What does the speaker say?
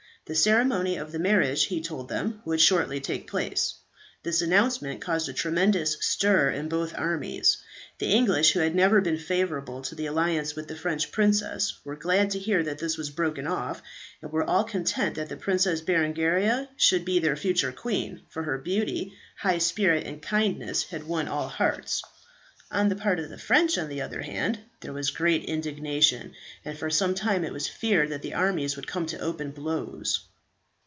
The ceremony of the marriage, he told them, would shortly take place. This announcement caused a tremendous stir in both armies. The English, who had never been favourable to the alliance with the French princess, were glad to hear that this was broken off, and were well content that the Princess Berengaria should be their future queen, for her beauty, high spirit, and kindness had won all hearts. On the part of the French, on the other hand, there was great indignation, and for some time it was feared that the armies would come to open blows.